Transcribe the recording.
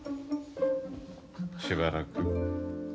しばらく。